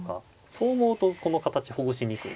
そう思うとこの形ほぐしにくいんです。